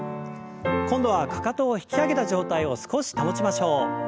今度はかかとを引き上げた状態を少し保ちましょう。